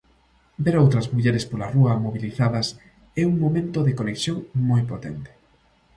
Ver outras mulleres pola rúa, mobilizadas, é un momento de conexión moi potente.